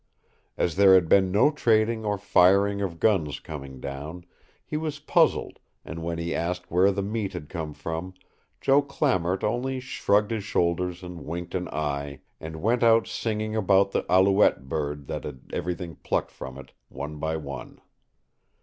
As there had been no trading or firing of guns coming down, he was puzzled and when he asked where the meat had come from Joe Clamart only shrugged his shoulders and winked an eye, and went out singing about the allouette bird that had everything plucked from it, one by one.